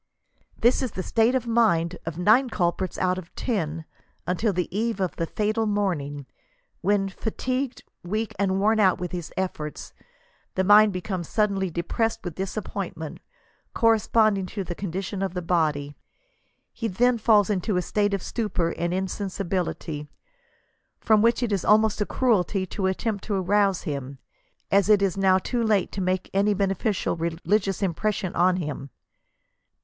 This is the state of mind of nine culprits out of ten until the eve of the fatal morning, when fatigued, weak, and worn out with his efforts, the mind becomes suddenly depressed with disappointment, corresponding to the condition of the body ; he then falls into a state of stupor and insensibility, from which it is almost a cruelty to attempt to rouse him, as it is now i^p late to make any beneficial religious impression on him.